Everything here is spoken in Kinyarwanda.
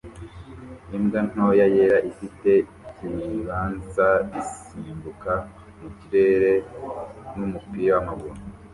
Imbwa ntoya yera ifite ikibanza isimbuka mu kirere n'umupira w'amaguru